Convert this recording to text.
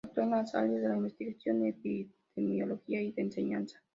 Actúa en las área de investigación epidemiológica y de enseñanza.